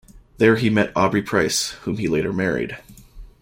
There he met Audrey Price, whom he later married.